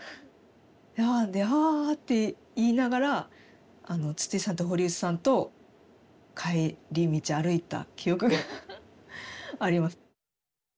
「はぁ」って言いながら筒井さんと堀内さんと帰り道歩いた記憶があります。